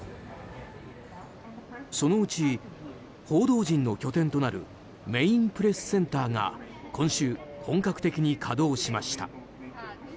そのうち、報道陣の拠点となるメインプレスセンターが今週、本格的に稼働しました。